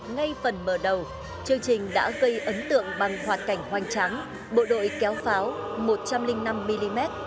ngay phần mở đầu chương trình đã gây ấn tượng bằng hoạt cảnh hoangh tráng bộ đội kéo pháo một trăm linh năm mm